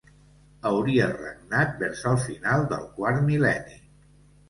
Hauria regnat vers el final del quart mil·lenni.